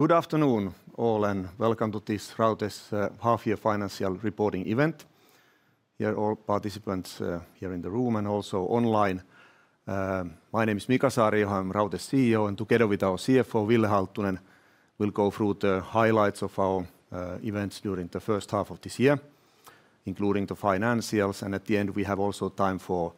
Good afternoon, all, and welcome to this Raute's Half-Year Financial Reporting Event. We are all participants here in the room and also online. My name is Mika Saariaho, I'm Raute's CEO. Together with our CFO, Ville Halttunen, we'll go through the highlights of our events during the first half of this year, including the financials. At the end, we have also time for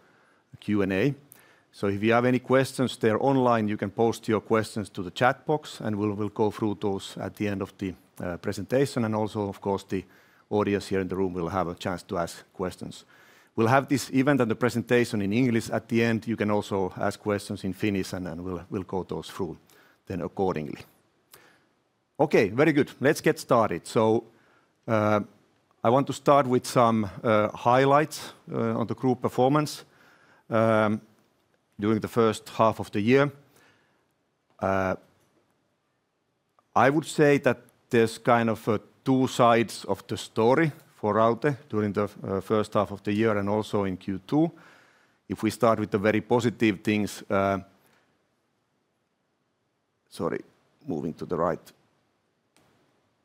Q&A. If you have any questions there online, you can post your questions to the chat box, and we'll go through those at the end of the presentation. Of course, the audience here in the room will have a chance to ask questions. We'll have this event and the presentation in English. At the end, you can also ask questions in Finnish, and we'll go those through then accordingly. Ok, very good. Let's get started. I want to start with some highlights on the group performance during the first half of the year. I would say that there's kind of two sides of the story for Raute during the first half of the year and also in Q2. If we start with the very positive things, sorry, moving to the right.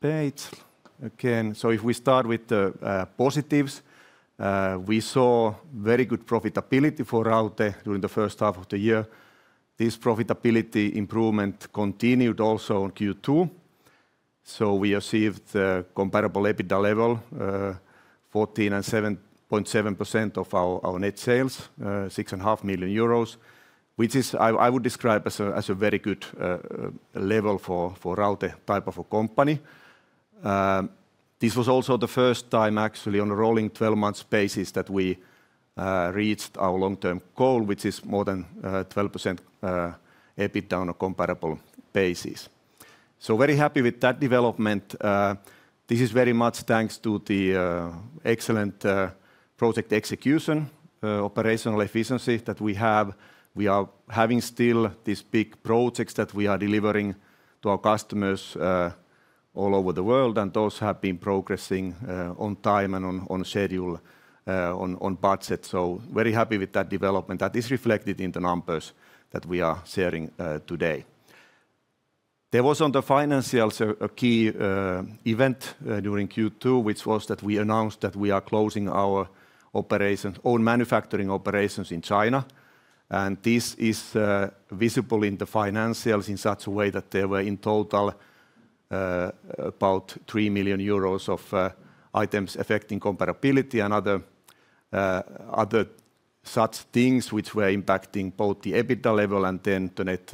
If we start with the positives, we saw very good profitability for Raute during the first half of the year. This profitability improvement continued also in Q2. We achieved a comparable EBITDA level, 14.7% of our net sales, 6.5 million euros, which I would describe as a very good level for Raute type of a company. This was also the first time, actually, on a rolling 12-month basis that we reached our long-term goal, which is more than 12% EBITDA on a comparable basis. Very happy with that development. This is very much thanks to the excellent project execution, operational efficiency that we have. We are having still these big projects that we are delivering to our customers all over the world. Those have been progressing on time and on schedule, on budget. Very happy with that development that is reflected in the numbers that we are sharing today. There was, on the financials, a key event during Q2, which was that we announced that we are closing our own manufacturing operations in China. This is visible in the financials in such a way that there were, in total, about 3 million euros of items affecting comparability and other such things, which were impacting both the EBITDA level and then the net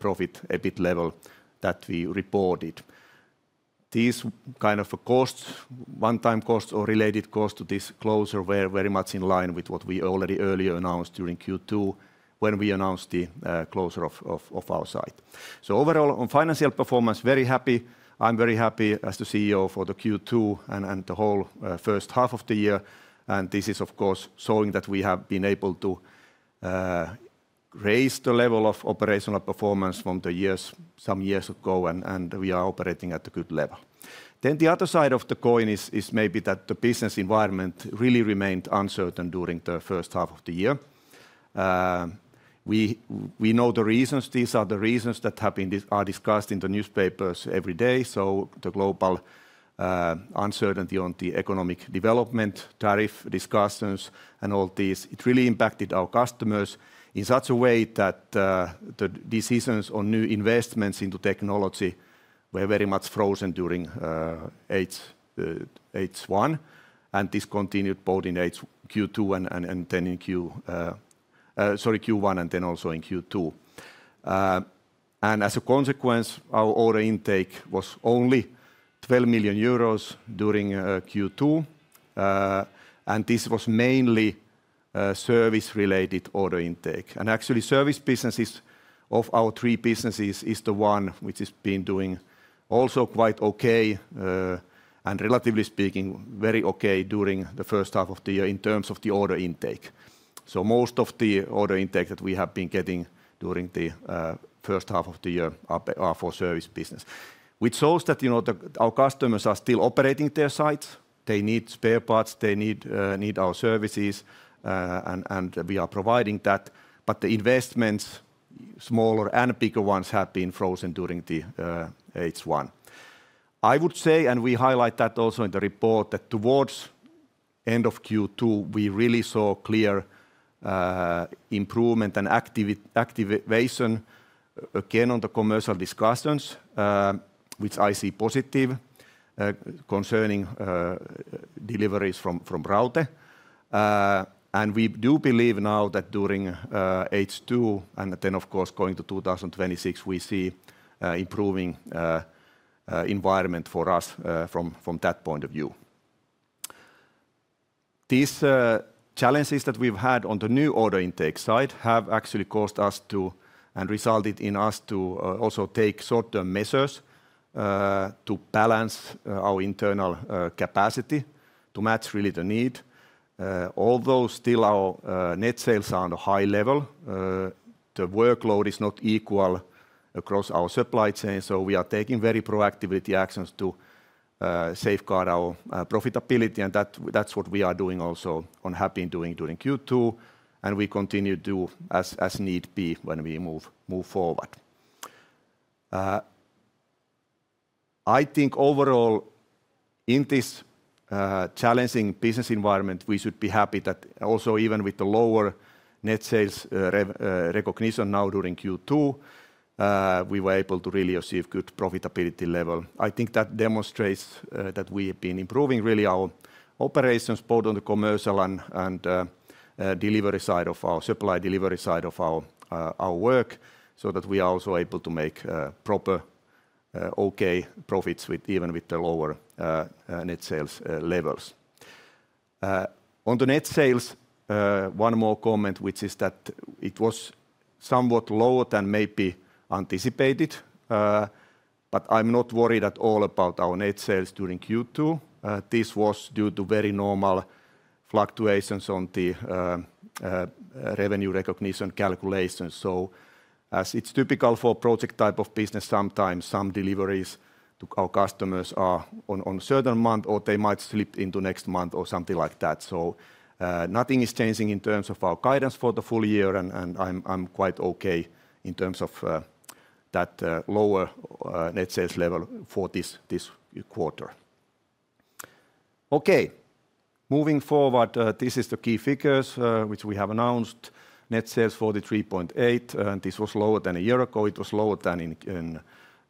profit EBIT level that we reported. These kind of costs, one-time costs or related costs to this closure, were very much in line with what we already earlier announced during Q2 when we announced the closure of our site. Overall, on financial performance, very happy. I'm very happy as the CEO for Q2 and the whole first half of the year. This is, of course, showing that we have been able to raise the level of operational performance from some years ago, and we are operating at a good level. The other side of the coin is maybe that the business environment really remained uncertain during the first half of the year. We know the reasons. These are the reasons that have been discussed in the newspapers every day. The global uncertainty on the economic development, tariff discussions, and all these, it really impacted our customers in such a way that the decisions on new investments into technology were very much frozen during H1, and this continued both in Q2 and then in Q1, and then also in Q2. As a consequence, our order intake was only 12 million euros during Q2. This was mainly service-related order intake. Actually, service businesses of our three businesses is the one which has been doing also quite ok, and relatively speaking, very ok during the first half of the year in terms of the order intake. Most of the order intake that we have been getting during the first half of the year are for service business, which shows that our customers are still operating their sites. They need spare parts. They need our services. We are providing that. The investments, smaller and bigger ones, have been frozen during H1. I would say, and we highlight that also in the report, that towards the end of Q2, we really saw clear improvement and activation again on the commercial discussions, which I see positive concerning deliveries from Raute. We do believe now that during H2, and then, of course, going to 2026, we see an improving environment for us from that point of view. These challenges that we've had on the new order intake side have actually caused us to, and resulted in us to also take short-term measures to balance our internal capacity to match really the need. Although still our net sales are on a high level, the workload is not equal across our supply chain. We are taking very proactive actions to safeguard our profitability. That's what we are doing also, and have been doing during Q2. We continue to do as need be when we move forward. I think overall, in this challenging business environment, we should be happy that also, even with the lower net sales recognition now during Q2, we were able to really achieve good profitability level. I think that demonstrates that we have been improving really our operations both on the commercial and delivery side of our supply delivery side of our work, so that we are also able to make proper OK profits even with the lower net sales levels. On the net sales, one more comment, which is that it was somewhat lower than maybe anticipated. I'm not worried at all about our net sales during Q2. This was due to very normal fluctuations on the revenue recognition calculations. As it's typical for a project type of business, sometimes some deliveries to our customers are on a certain month, or they might slip into next month or something like that. Nothing is changing in terms of our guidance for the full year. I'm quite okay in terms of that lower net sales level for this quarter. Moving forward, this is the key figures which we have announced. Net sales 43.8 million. This was lower than a year ago. It was lower than in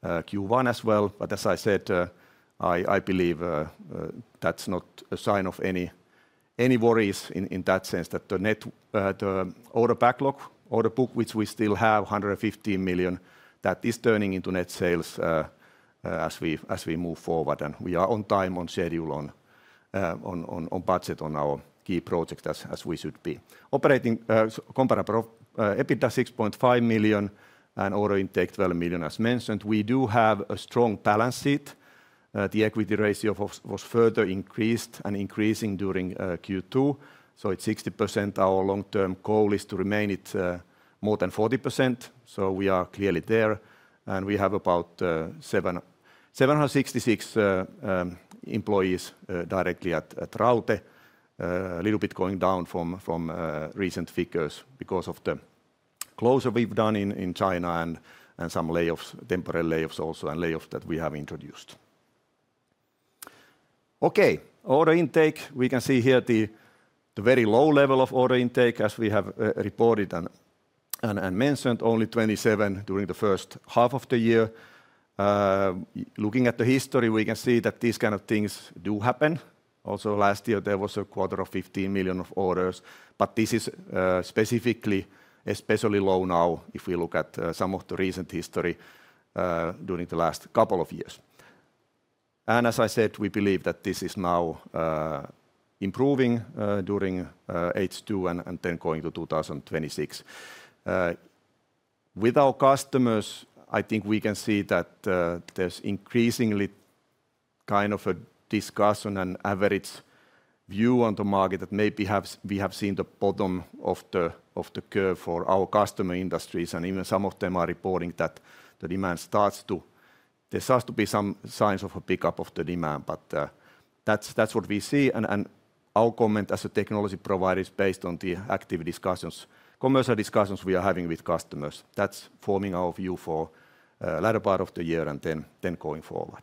Q1 as well. As I said, I believe that's not a sign of any worries in that sense, that the net order backlog, order book, which we still have 115 million, that is turning into net sales as we move forward. We are on time, on schedule, on budget, on our key projects as we should be. Operating comparable EBITDA 6.5 million and order intake 12 million, as mentioned, we do have a strong balance sheet. The equity ratio was further increased and increasing during Q2. At 60%, our long-term goal is to remain at more than 40%. We are clearly there. We have about 766 employees directly at Raute, a little bit going down from recent figures because of the closure we've done in China and some temporary layoffs also and layoffs that we have introduced. Order intake. We can see here the very low level of order intake, as we have reported and mentioned, only 27 million during the first half of the year. Looking at the history, we can see that these kind of things do happen. Last year, there was a quarter of 15 million of orders. This is specifically especially low now if we look at some of the recent history during the last couple of years. As I said, we believe that this is now improving during H2 and then going to 2026. With our customers, I think we can see that there's increasingly kind of a discussion and average view on the market that maybe we have seen the bottom of the curve for our customer industries. Even some of them are reporting that the demand starts to, there starts to be some signs of a pickup of the demand. That's what we see. Our comment as a technology provider is based on the active discussions, commercial discussions we are having with customers. That's forming our view for the latter part of the year and then going forward.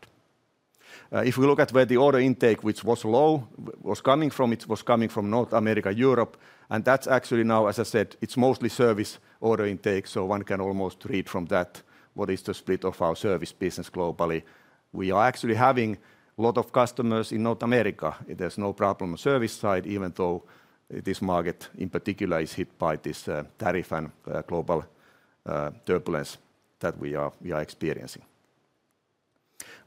If we look at where the order intake, which was low, was coming from, it was coming from North America, Europe. That's actually now, as I said, it's mostly service order intake. One can almost read from that what is the split of our service business globally. We are actually having a lot of customers in North America. There's no problem on the service side, even though this market in particular is hit by this tariff and global turbulence that we are experiencing.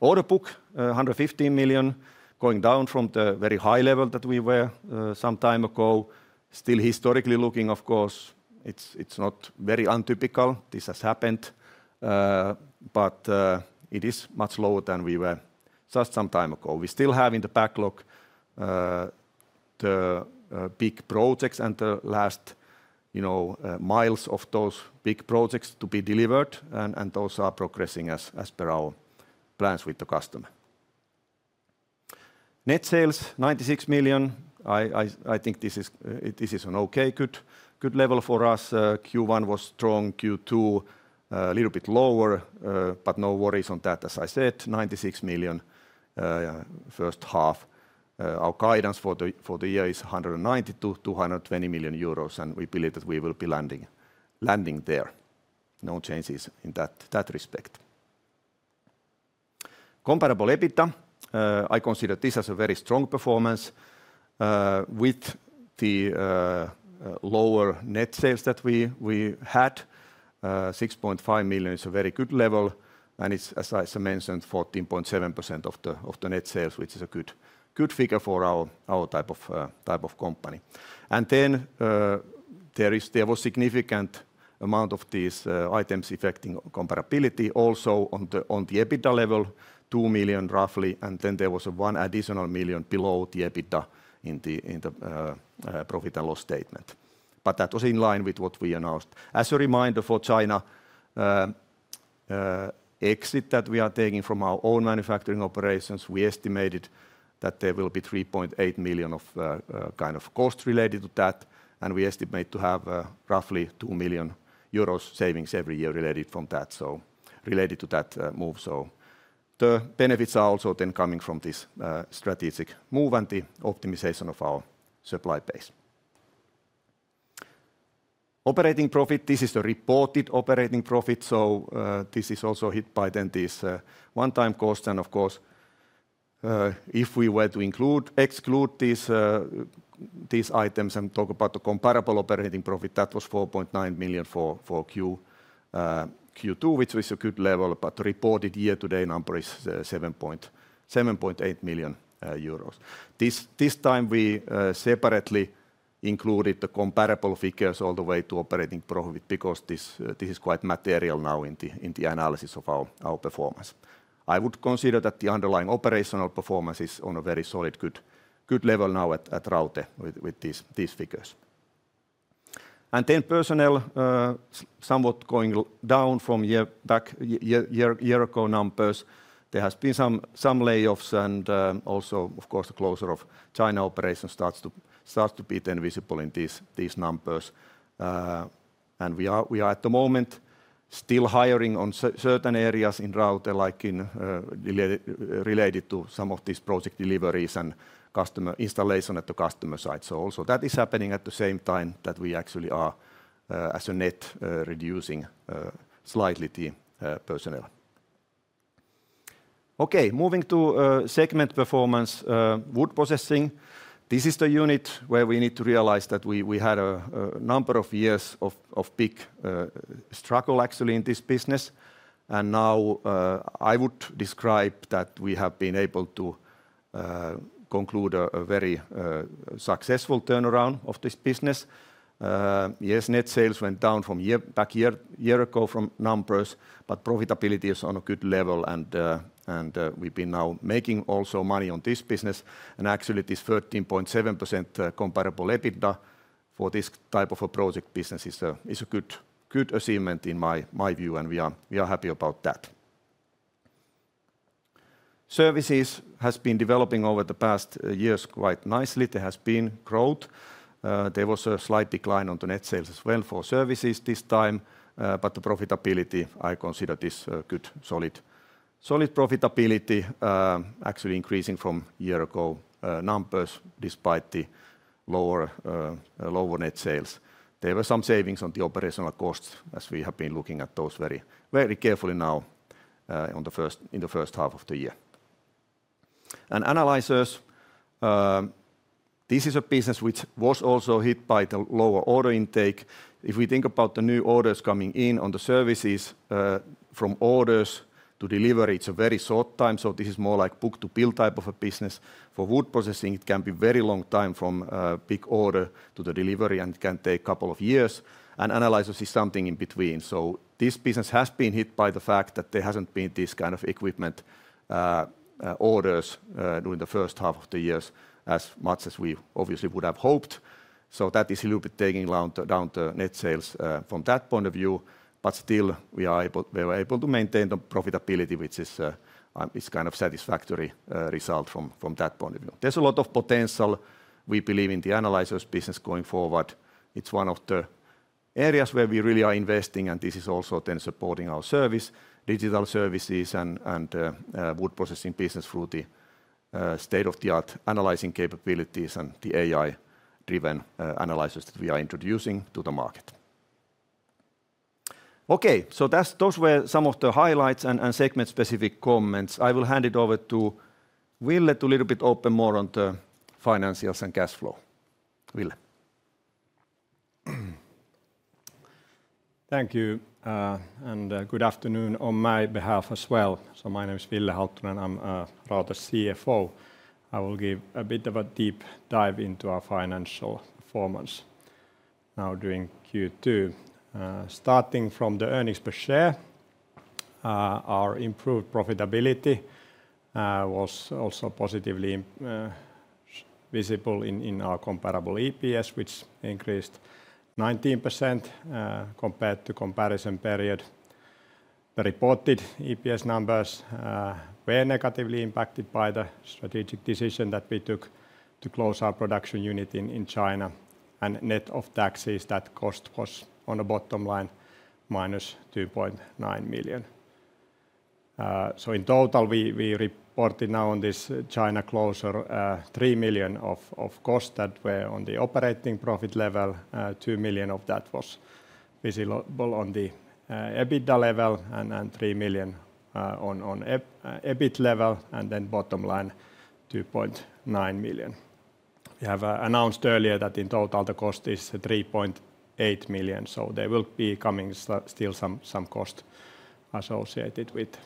Order book, 115 million, going down from the very high level that we were some time ago. Still historically looking, of course, it's not very untypical. This has happened. It is much lower than we were just some time ago. We still have in the backlog the big projects and the last miles of those big projects to be delivered. Those are progressing as per our plans with the customer. Net sales, 96 million. I think this is an okay, good level for us. Q1 was strong. Q2, a little bit lower. No worries on that, as I said, 96 million, first half. Our guidance for the year is 190-220 million euros. We believe that we will be landing there. No changes in that respect. Comparable EBITDA, I consider this as a very strong performance. With the lower net sales that we had, 6.5 million is a very good level. It's, as I mentioned, 14.7% of the net sales, which is a good figure for our type of company. There was a significant amount of these items affecting comparability. Also, on the EBITDA level, 2 million roughly. There was one additional million below the EBITDA in the profit and loss statement. That was in line with what we announced. As a reminder for China, exit that we are taking from our own manufacturing operations, we estimated that there will be 3.8 million of kind of costs related to that. We estimate to have roughly 2 million euros savings every year related to that move. The benefits are also then coming from this strategic move and the optimization of our supply base. Operating profit, this is a reported operating profit. This is also hit by these one-time costs. Of course, if we were to exclude these items and talk about the comparable operating profit, that was 4.9 million for Q2, which was a good level. The reported year-to-date number is 7.8 million euros. This time, we separately included the comparable figures all the way to operating profit because this is quite material now in the analysis of our performance. I would consider that the underlying operational performance is on a very solid, good level now at Raute with these figures. Personnel is somewhat going down from year-ago numbers. There have been some layoffs. Also, the closure of China operations starts to be visible in these numbers. We are, at the moment, still hiring in certain areas in Raute, like related to some of these project deliveries and customer installation at the customer site. That is happening at the same time that we actually are, as a net, reducing slightly the personnel. Moving to segment performance, wood processing. This is the unit where we need to realize that we had a number of years of big struggle in this business. Now I would describe that we have been able to conclude a very successful turnaround of this business. Net sales went down from a year ago numbers. Profitability is on a good level. We've been now making money on this business. This 13.7% comparable EBITDA for this type of a project business is a good achievement in my view, and we are happy about that. Services have been developing over the past years quite nicely. There has been growth. There was a slight decline in the net sales as well for services this time, but the profitability, I consider this good, solid profitability, actually increasing from a year ago numbers despite the lower net sales. There were some savings on the operational costs, as we have been looking at those very carefully now in the first half of the year. Analyzers, this is a business which was also hit by the lower order intake. If we think about the new orders coming in on the services, from orders to delivery, it's a very short time. This is more like book-to-build type of a business. For wood processing, it can be a very long time from a big order to the delivery, and it can take a couple of years. Analyzers is something in between. This business has been hit by the fact that there haven't been this kind of equipment orders during the first half of the year as much as we obviously would have hoped. That is a little bit taking down the net sales from that point of view. Still, we were able to maintain the profitability, which is a kind of satisfactory result from that point of view. There's a lot of potential, we believe, in the analyzers business going forward. It's one of the areas where we really are investing. This is also then supporting our service, digital services, and wood processing business through the state-of-the-art analyzing capabilities and the AI-driven analyzers that we are introducing to the market. Okay, those were some of the highlights and segment-specific comments. I will hand it over to Ville to a little bit open more on the financials and cash flow. Ville. Thank you. Good afternoon on my behalf as well. My name is Ville Halttunen. I'm Raute's CFO. I will give a bit of a deep dive into our financial performance now during Q2. Starting from the earnings per share, our improved profitability was also positively visible in our comparable EPS, which increased 19% compared to the comparison period. The reported EPS numbers were negatively impacted by the strategic decision that we took to close our production unit in China. Net of taxes, that cost was on the bottom line minus 2.9 million. In total, we reported now on this China closure 3 million of costs that were on the operating profit level. €2 million of that was visible on the EBITDA level and 3 million on EBITDA level. Bottom line 2.9 million. We have announced earlier that in total, the cost is 3.8 million. There will be coming still some costs associated with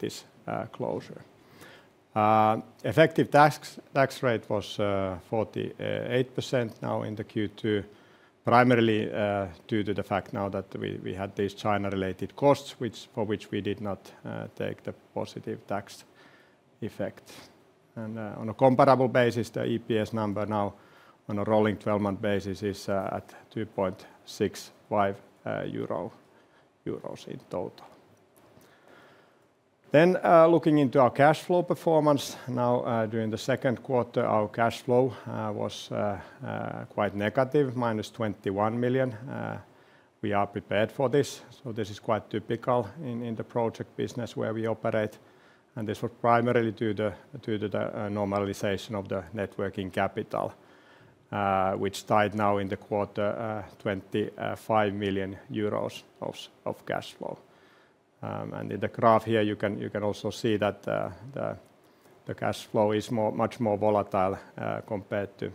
this closure. Effective tax rate was 48% now in the Q2, primarily due to the fact now that we had these China-related costs, for which we did not take the positive tax effects. On a comparable basis, the EPS number now on a rolling 12-month basis is at 2.65 euro in total. Looking into our cash flow performance, now during the second quarter, our cash flow was quite negative, - 21 million. We are prepared for this. This is quite typical in the project business where we operate. This was primarily due to the normalization of the networking capital, which tied now in the quarter 25 million euros of cash flow. In the graph here, you can also see that the cash flow is much more volatile compared to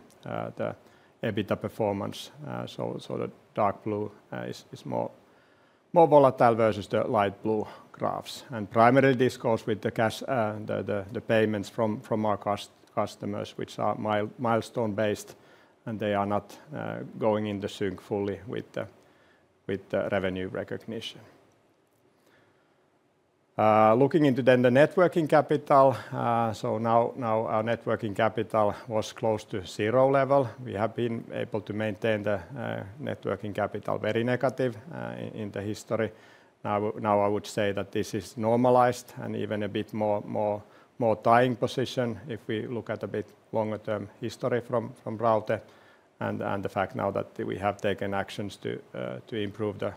the EBITDA performance. The dark blue is more volatile versus the light blue graphs. Primarily, this goes with the payments from our customers, which are milestone-based. They are not going in the sync fully with the revenue recognition. Looking into the networking capital, now our networking capital was close to zero level. We have been able to maintain the networking capital very negative in the history. Now I would say that this is normalized and even a bit more more more tying position if we look at a bit longer-term history from Raute and the fact now that we have taken actions to improve the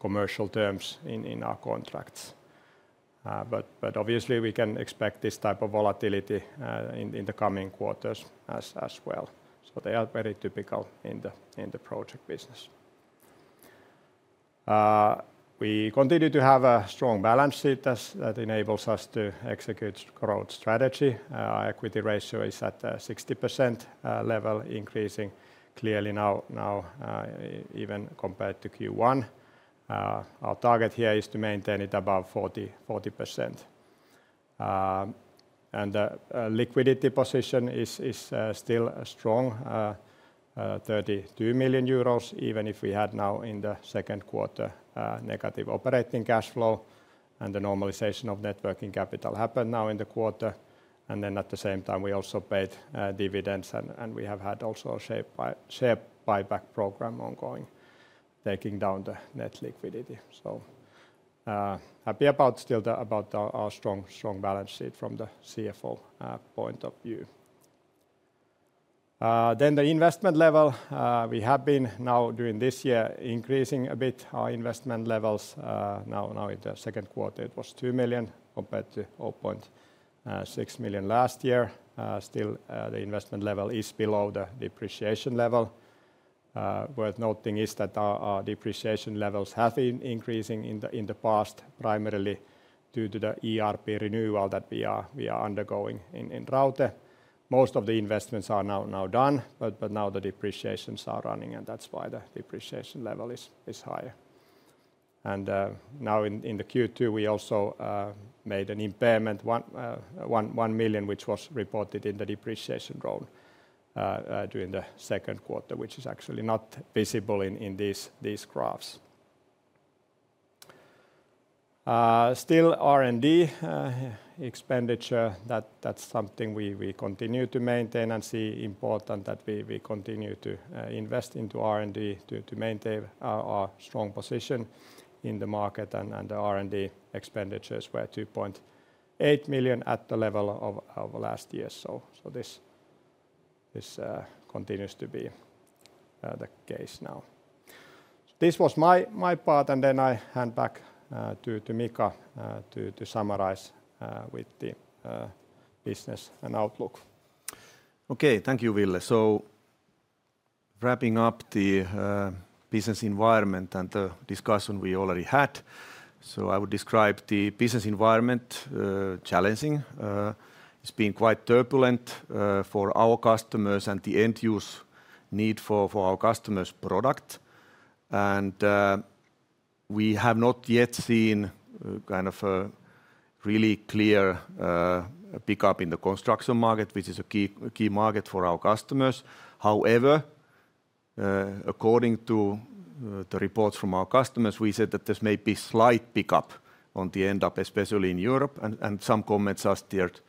commercial terms in our contracts. Obviously, we can expect this type of volatility in the coming quarters as well. They are very typical in the project business. We continue to have a strong balance sheet that enables us to execute growth strategy. Our equity ratio is at a 60% level, increasing clearly now even compared to Q1. Our target here is to maintain it above 40%. The liquidity position is still strong, 32 million euros, even if we had now in the second quarter negative operating cash flow. The normalization of networking capital happened now in the quarter. At the same time, we also paid dividends. We have had also a share buyback program ongoing, taking down the net liquidity. Happy about still about our strong balance sheet from the CFO point of view. The investment level, we have been now during this year increasing a bit our investment levels. Now in the second quarter, it was 2 million compared to 0.6 million last year. Still, the investment level is below the depreciation level. Worth noting is that our depreciation levels have been increasing in the past, primarily due to the ERP renewal that we are undergoing in Raute. Most of the investments are now done, but now the depreciations are running. That's why the depreciation level is higher. In Q2, we also made an impairment, 1 million, which was reported in the depreciation drone during the second quarter, which is actually not visible in these graphs. Still, R&D expenditure, that's something we continue to maintain and see important that we continue to invest into R&D to maintain our strong position in the market. The R&D expenditures were 2.8 million at the level of last year. This continues to be the case now. This was my part. I hand back to Mika to summarize with the business and outlook. OK, thank you, Ville. Wrapping up the business environment and the discussion we already had, I would describe the business environment as challenging. It's been quite turbulent for our customers and the end-use need for our customers' product. We have not yet seen kind of a really clear pickup in the construction market, which is a key market for our customers. However, according to the reports from our customers, we said that there may be slight pickup on the end up, especially in Europe. Some comments are steered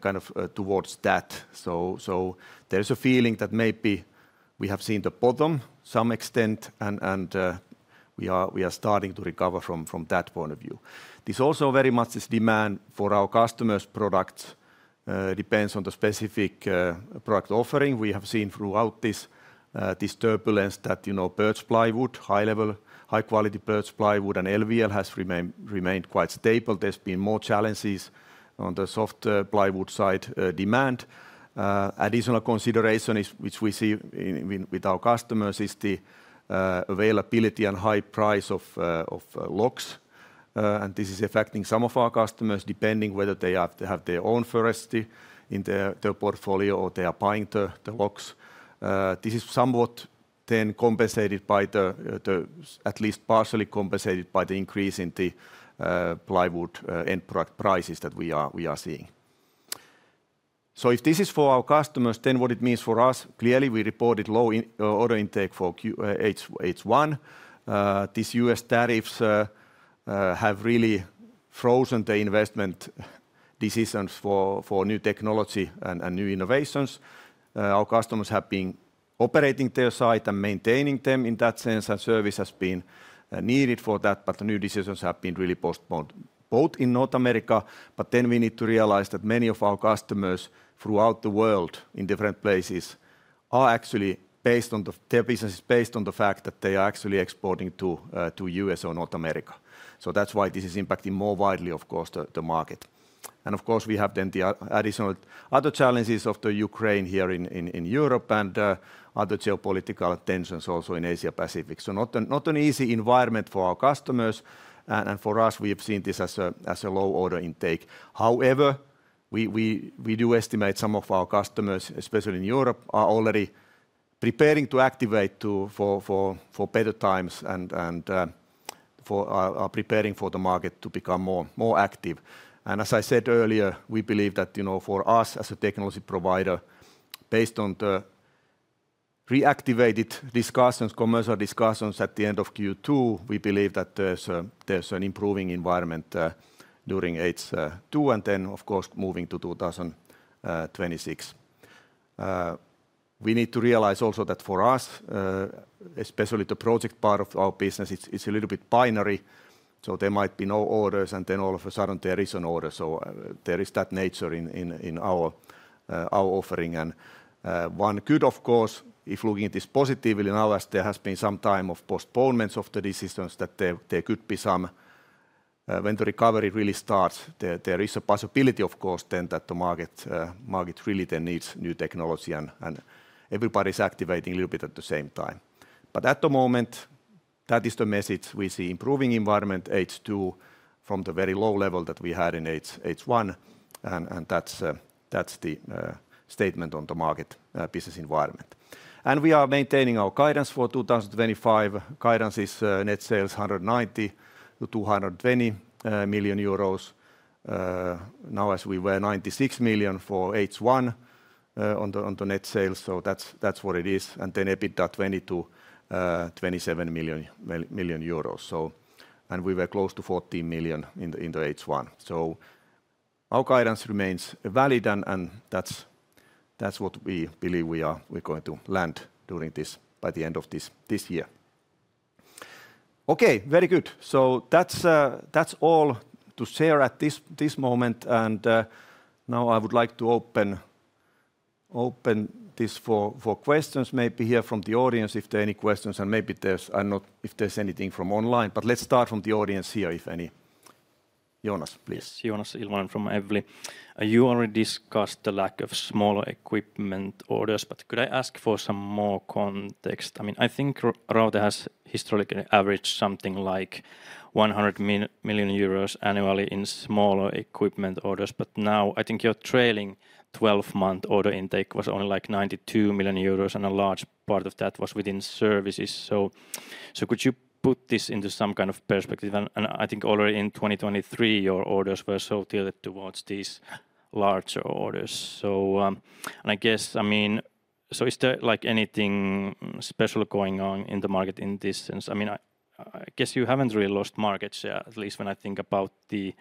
kind of towards that. There's a feeling that maybe we have seen the bottom to some extent, and we are starting to recover from that point of view. This is also very much this demand for our customers' products depends on the specific product offering. We have seen throughout this turbulence that birch plywood, high-level, high-quality birch plywood, and LVL has remained quite stable. There's been more challenges on the soft plywood side demand. Additional consideration which we see with our customers is the availability and high price of logs. This is affecting some of our customers, depending whether they have their own forestry in their portfolio or they are buying the logs. This is somewhat then compensated by the, at least partially compensated by the increase in the plywood end product prices that we are seeing. If this is for our customers, then what it means for us, clearly we reported low order intake for H1. These U.S. tariffs have really frozen the investment decisions for new technology and new innovations. Our customers have been operating their site and maintaining them in that sense, and service has been needed for that. The new decisions have been really postponed both in North America. We need to realize that many of our customers throughout the world in different places are actually based on their businesses based on the fact that they are actually exporting to the U.S. or North America. That's why this is impacting more widely, of course, the market. We have then the additional other challenges of the Ukraine here in Europe and other geopolitical tensions also in Asia-Pacific. Not an easy environment for our customers. For us, we have seen this as a low order intake. However, we do estimate some of our customers, especially in Europe, are already preparing to activate for better times and are preparing for the market to become more active. As I said earlier, we believe that for us as a technology provider, based on the pre-activated discussions, commercial discussions at the end of Q2, we believe that there's an improving environment during H2. Of course, moving to 2026, we need to realize also that for us, especially the project part of our business, it's a little bit binary. There might be no orders, and then all of a sudden, there is an order. There is that nature in our offering. One could, of course, if looking at this positively now, as there has been some time of postponements of the decisions, there could be some, when the recovery really starts, there is a possibility, of course, then that the market really then needs new technology, and everybody is activating a little bit at the same time. At the moment, that is the message. We see improving environment H2 from the very low level that we had in H1. That's the statement on the market business environment. We are maintaining our guidance for 2025. Guidance is net sales 190-220 million euros. Now, as we were 96 million for H1 on the net sales, that's what it is. EBITDA 20-27 million, and we were close to 14 million in the H1. Our guidance remains valid, and that's what we believe we are going to land during this by the end of this year. Okay, very good. That's all to share at this moment. Now I would like to open this for questions, maybe here from the audience, if there are any questions. Maybe there's anything from online, but let's start from the audience here, if any. Jonas, please. You already discussed the lack of smaller equipment orders. Could I ask for some more context? I think Raute has historically averaged something like 100 million euros annually in smaller equipment orders. Now I think your trailing 12-month order intake was only about 92 million euros, and a large part of that was within services. Could you put this into some kind of perspective? I think already in 2023, your orders were so tilted towards these larger orders. Is there anything special going on in the market in this sense? I guess you haven't really lost market share, at least when I think about the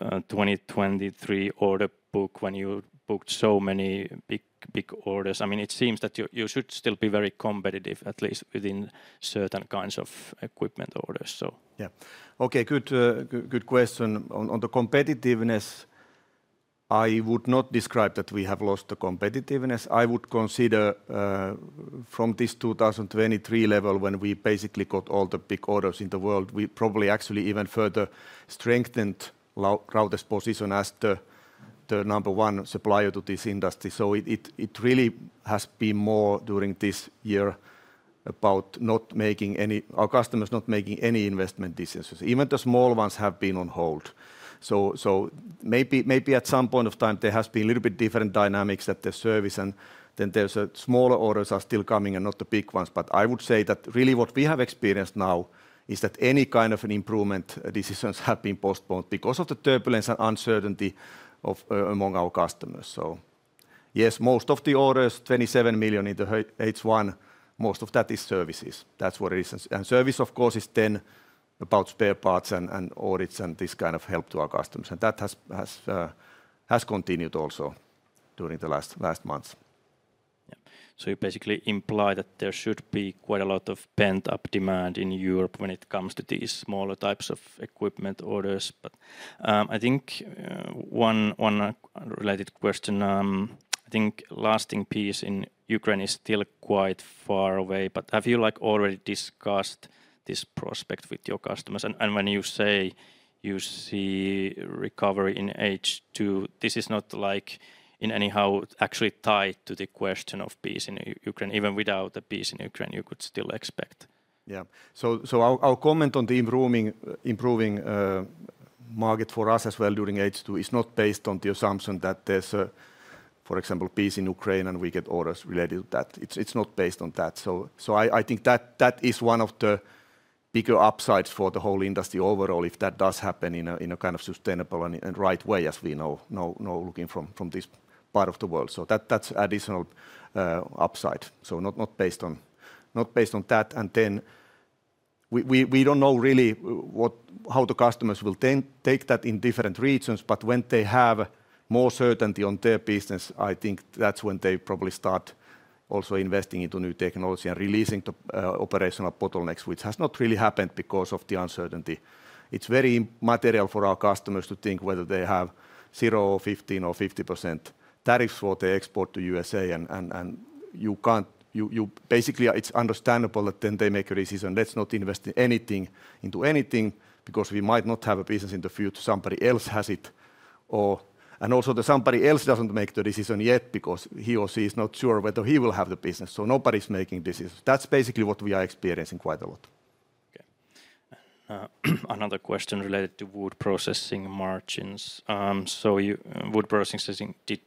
2023 order book, when you booked so many big orders. It seems that you should still be very competitive, at least within certain kinds of equipment orders. Yeah. Okay, good question. On the competitiveness, I would not describe that we have lost the competitiveness. I would consider from this 2023 level, when we basically got all the big orders in the world, we probably actually even further strengthened Raute's position as the number one supplier to this industry. It really has been more during this year about not making any, our customers not making any investment decisions. Even the small ones have been on hold. At some point of time, there has been a little bit different dynamics at the service. There's smaller orders still coming and not the big ones. I would say that really what we have experienced now is that any kind of an improvement decisions have been postponed because of the turbulence and uncertainty among our customers. Yes, most of the orders, 27 million in the H1, most of that is services. That's what reasons. Service, of course, is then about spare parts and audits and this kind of help to our customers. That has continued also during the last months. You basically imply that there should be quite a lot of pent-up demand in Europe when it comes to these smaller types of equipment orders. I think one related question, I think lasting peace in Ukraine is still quite far away. Have you already discussed this prospect with your customers? When you say you see recovery in H2 2024, this is not in any way actually tied to the question of peace in Ukraine. Even without the peace in Ukraine, you could still expect. Yeah. Our comment on the improving market for us as well during H2 is not based on the assumption that there's, for example, peace in Ukraine and we get orders related to that. It's not based on that. I think that is one of the bigger upsides for the whole industry overall if that does happen in a kind of sustainable and right way, as we know, looking from this part of the world. That's additional upside. Not based on that. We don't know really how the customers will take that in different regions. When they have more certainty on their business, I think that's when they probably start also investing into new technology and releasing the operational bottlenecks, which has not really happened because of the uncertainty. It's very material for our customers to think whether they have 0% or 15% or 50% tariffs for their export to the U.S.A. You can't, basically, it's understandable that then they make a decision. Let's not invest anything into anything because we might not have a business in the future. Somebody else has it. Also, that somebody else doesn't make the decision yet because he or she is not sure whether he will have the business. Nobody's making decisions. That's basically what we are experiencing quite a lot. Another question related to wood processing margins. Wood processing did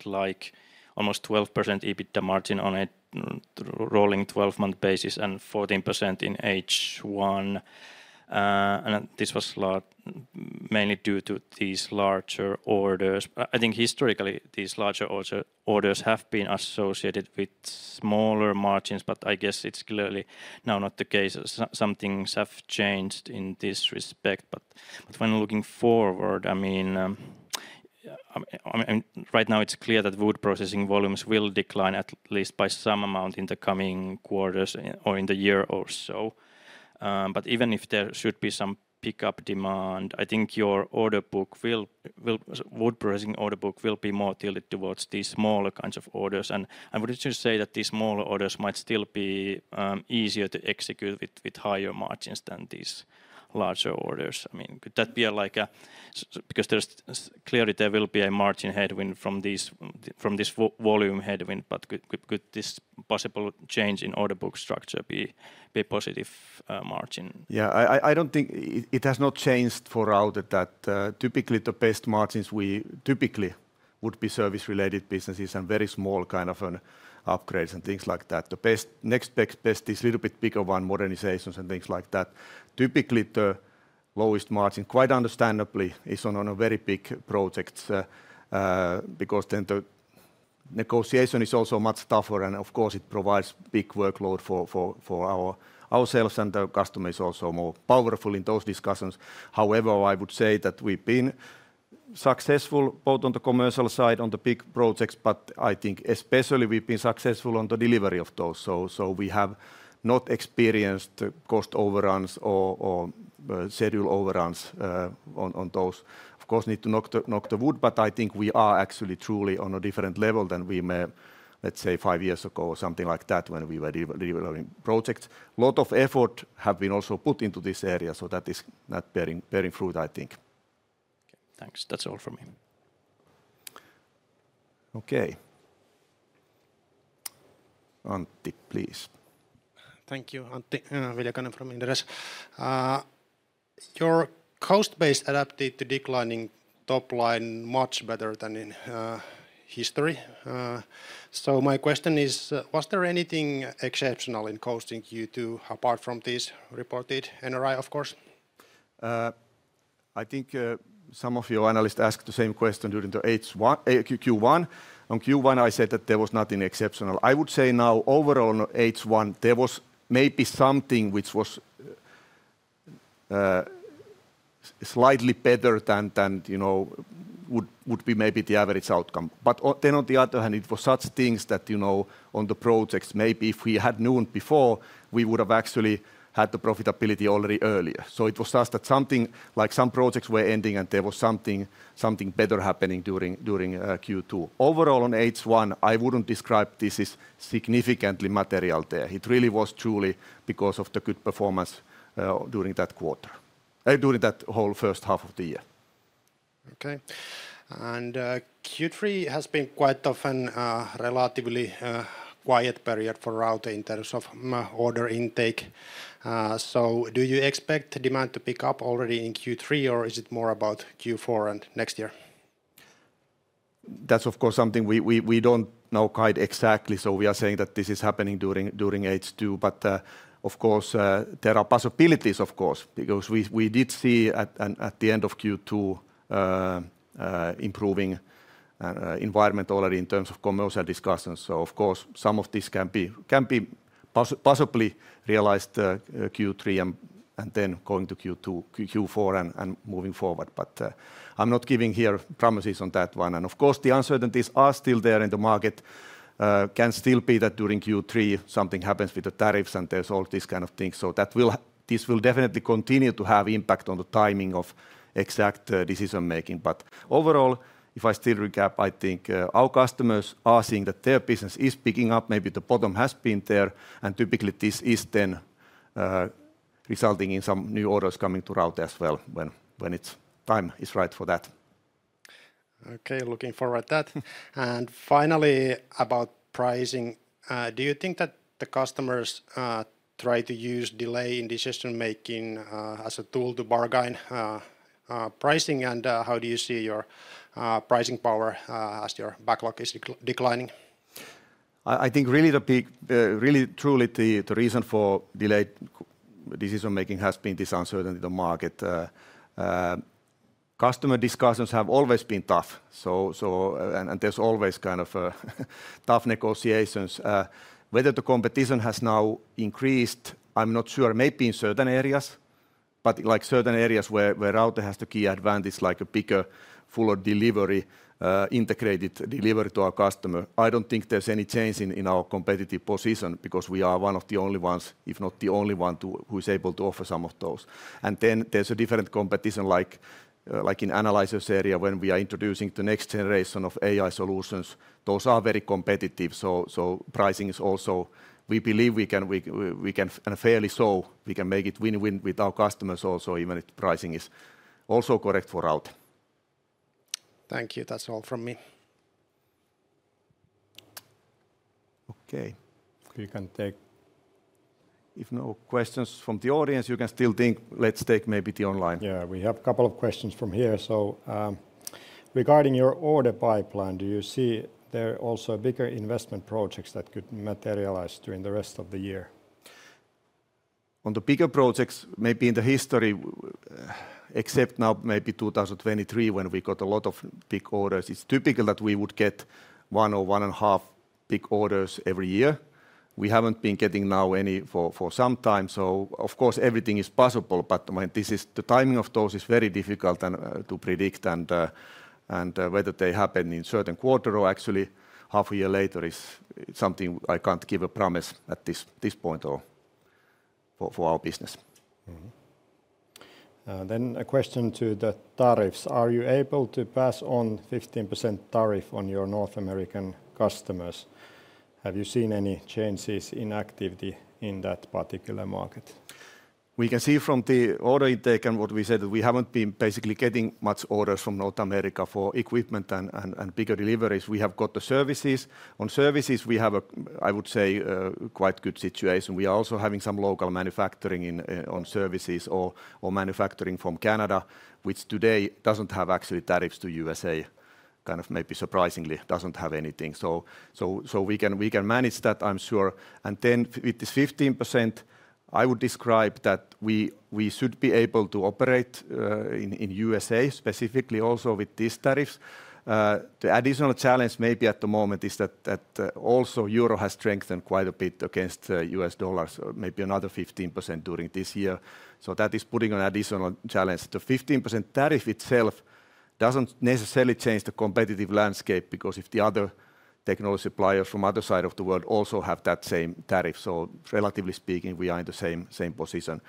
almost 12% EBITDA margin on a rolling 12-month basis and 14% in H1. This was mainly due to these larger orders. I think historically, these larger orders have been associated with smaller margins. I guess it's clearly now not the case. Some things have changed in this respect. When looking forward, right now it's clear that wood processing volumes will decline at least by some amount in the coming quarters or in the year or so. Even if there should be some pickup demand, I think your order book, wood processing order book, will be more tilted towards these smaller kinds of orders. I would just say that these smaller orders might still be easier to execute with higher margins than these larger orders. Could that be like a, because there's clearly, there will be a margin headwind from this volume headwind. Could this possible change in order book structure be a positive margin? I don't think it has not changed for Raute that typically the best margins we typically would be service-related businesses and very small kind of upgrades and things like that. The next best is a little bit bigger one, modernizations and things like that. Typically, the lowest margin, quite understandably, is on a very big project because then the negotiation is also much tougher. It provides a big workload for ourselves and the customers also more powerful in those discussions. However, I would say that we've been successful both on the commercial side, on the big projects. I think especially we've been successful on the delivery of those. We have not experienced cost overruns or schedule overruns on those. Of course, need to knock the wood. I think we are actually truly on a different level than we may, let's say, five years ago or something like that when we were delivering projects. A lot of effort has been also put into this area. That is now bearing fruit, I think. Thanks. That's all for me. Ok. Antti, please. Thank you, Antti. Ville Halttunen from Inderes. Your cost base adapted to declining top line much better than in history. My question is, was there anything exceptional in costing you to, apart from this reported NRI, of course? I think some of your analysts asked the same question during the Q1. On Q1, I said that there was nothing exceptional. I would say now, overall, H1, there was maybe something which was slightly better than would be maybe the average outcome. On the other hand, it was such things that on the projects, maybe if we had known before, we would have actually had the profitability already earlier. It was just that something like some projects were ending and there was something better happening during Q2. Overall, on H1, I wouldn't describe this as significantly material there. It really was truly because of the good performance during that quarter, during that whole first half of the year. Q3 has been quite often a relatively quiet period for Raute in terms of order intake. Do you expect demand to pick up already in Q3, or is it more about Q4 and next year? That's, of course, something we don't know quite exactly. We are saying that this is happening during H2. There are possibilities, of course, because we did see at the end of Q2 improving environment already in terms of commercial discussions. Some of this can be possibly realized Q3 and then going to Q4 and moving forward. I'm not giving here promises on that one. The uncertainties are still there in the market. It can still be that during Q3, something happens with the tariffs and there's all these kind of things. This will definitely continue to have impact on the timing of exact decision making. Overall, if I still recap, I think our customers are seeing that their business is picking up. Maybe the bottom has been there. Typically, this is then resulting in some new orders coming to Raute as well when its time is right for that. Okay, looking forward to that. Finally, about pricing, do you think that the customers try to use delay in decision making as a tool to bargain pricing? How do you see your pricing power as your backlog is declining? I think really the big, really truly the reason for delayed decision-making has been this uncertainty in the market. Customer discussions have always been tough, and there's always kind of tough negotiations. Whether the competition has now increased, I'm not sure. Maybe in certain areas. Like certain areas where Raute has the key advantage, like a bigger, fuller delivery, integrated delivery to our customer, I don't think there's any change in our competitive position because we are one of the only ones, if not the only one, who is able to offer some of those. There's a different competition, like in the analyzers area, when we are introducing the next generation of AI solutions. Those are very competitive. Pricing is also, we believe we can, and fairly so, we can make it win-win with our customers also, even if pricing is also correct for Raute. Thank you. That's all from me. OK. If no questions from the audience, you can still think, let's take maybe the online. We have a couple of questions from here. Regarding your order pipeline, do you see there are also bigger investment projects that could materialize during the rest of the year? On the bigger projects, maybe in the history, except now maybe 2023 when we got a lot of big orders, it's typical that we would get one or one and a half big orders every year. We haven't been getting now any for some time. Of course, everything is possible, but the timing of those is very difficult to predict. Whether they happen in a certain quarter or actually half a year later is something I can't give a promise at this point for our business. A question to the tariffs. Are you able to pass on 15% tariff on your North American customers? Have you seen any changes in activity in that particular market? We can see from the order intake and what we said that we haven't been basically getting much orders from North America for equipment and bigger deliveries. We have got the services. On services, we have a, I would say, quite good situation. We are also having some local manufacturing on services or manufacturing from Canada, which today doesn't have actually tariffs to the U.S.A. kind of maybe surprisingly doesn't have anything. We can manage that, I'm sure. With this 15%, I would describe that we should be able to operate in the U.S. specifically also with these tariffs. The additional challenge maybe at the moment is that also euro has strengthened quite a bit against U.S. dollars, maybe another 15% during this year. That is putting an additional challenge. The 15% tariff itself doesn't necessarily change the competitive landscape because if the other technology suppliers from the other side of the world also have that same tariff, relatively speaking, we are in the same position.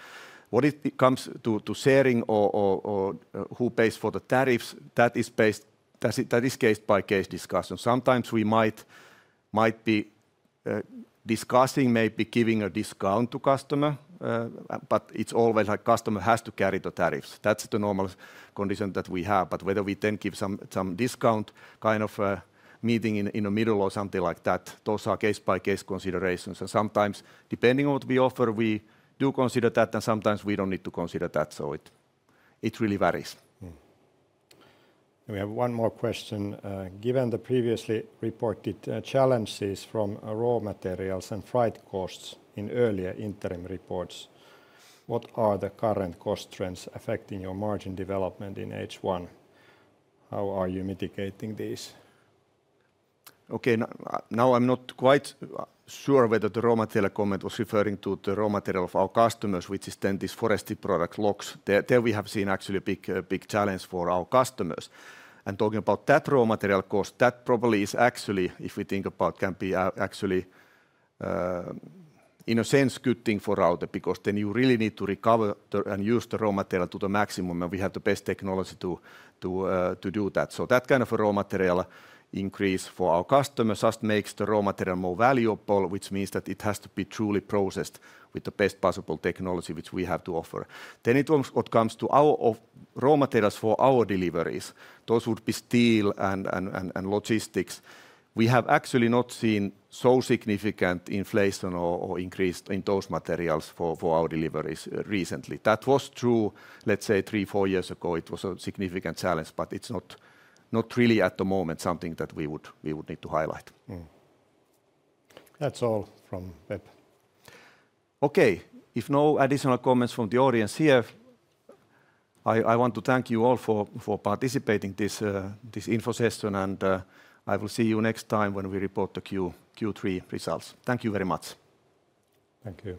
When it comes to sharing or who pays for the tariffs, that is case-by-case discussion. Sometimes we might be discussing maybe giving a discount to customers. It's always like customer has to carry the tariffs. That's the normal condition that we have. Whether we then give some discount, kind of meeting in the middle or something like that, those are case-by-case considerations. Sometimes, depending on what we offer, we do consider that. Sometimes we don't need to consider that. It really varies. We have one more question. Given the previously reported challenges from raw materials and freight costs in earlier interim reports, what are the current cost trends affecting your margin development in H1? How are you mitigating these? Okay, now I'm not quite sure whether the raw material comment was referring to the raw material of our customers, which is then this forested product logs. There we have seen actually a big challenge for our customers. Talking about that raw material cost, that probably is actually, if we think about, can be actually, in a sense, a good thing for Raute because then you really need to recover and use the raw material to the maximum. We have the best technology to do that. That kind of a raw material increase for our customers just makes the raw material more valuable, which means that it has to be truly processed with the best possible technology, which we have to offer. When it comes to our raw materials for our deliveries, those would be steel and logistics. We have actually not seen so significant inflation or increase in those materials for our deliveries recently. That was true, let's say, three, four years ago. It was a significant challenge. It's not really at the moment something that we would need to highlight. That's all from Ville. OK, if no additional comments from the audience here, I want to thank you all for participating in this info session. I will see you next time when we report the Q3 results. Thank you very much. Thank you.